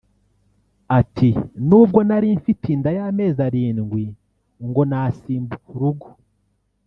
Ati “Nubwo nari mfite inda y’amezi arindwi ngo nasimbuka urugo